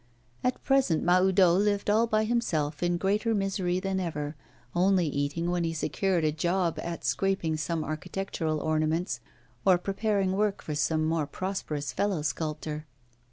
At present Mahoudeau lived all by himself in greater misery than ever, only eating when he secured a job at scraping some architectural ornaments, or preparing work for some more prosperous fellow sculptor.